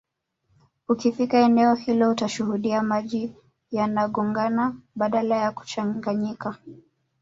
Ukifika eneo hilo utashuhudia maji yanagongana badala ya kuchanganyika